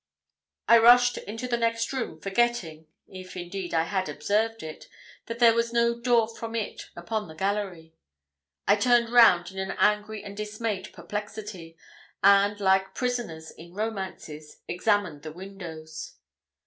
I rushed into the next room, forgetting if indeed I had observed it, that there was no door from it upon the gallery. I turned round in an angry and dismayed perplexity, and, like prisoners in romances, examined the windows.